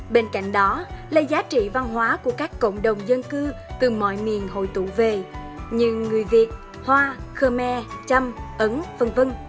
bên cạnh đó là giá trị văn hóa của các cộng đồng dân cư từ mọi miền hội tụ về như người việt hoa khơ me chăm ấn v v